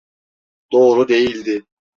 Doğru değildi.